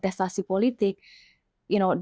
bagaimana kita membangun kebijakan